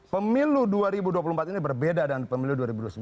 pemilu dua ribu dua puluh empat ini berbeda dengan pemilu dua ribu sembilan belas